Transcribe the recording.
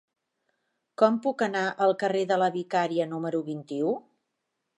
Com puc anar al carrer de la Vicaria número vint-i-u?